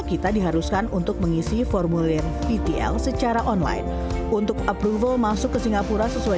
kita diharuskan untuk mengisi formulir vtl secara online untuk approval masuk ke singapura sesuai